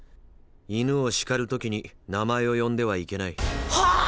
犬を叱る時に名前を呼んではいけない。はあぁ！？